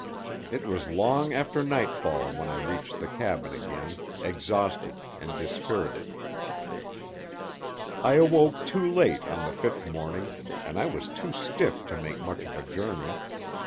It was long after nightfall when I reached the cabin again, exhausted and dispirited. I awoke too late on the fifth morning, and I was too stiff to make much of a journey.